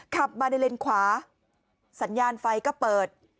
ขับมาในเลนขวาสัญญาณไฟก็เปิด